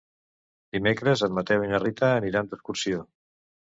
Dimecres en Mateu i na Rita aniran d'excursió.